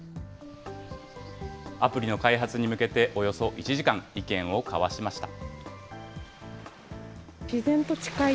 アプリの開発に向けて、およそ１時間、意見を交わしました。